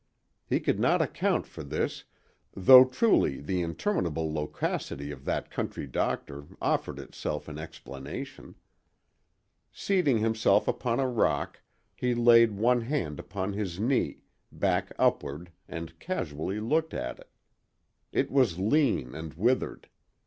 He could not account for this, though truly the interminable loquacity of that country doctor offered itself in explanation. Seating himself upon a rock, he laid one hand upon his knee, back upward, and casually looked at it. It was lean and withered.